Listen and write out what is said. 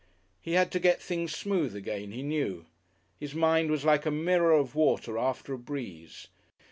He had to get things smooth again, he knew; his mind was like a mirror of water after a breeze.